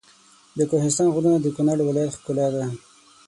د کوهستان غرونه د کنړ ولایت ښکلا ده.